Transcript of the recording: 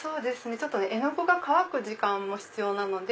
絵の具が乾く時間も必要なので。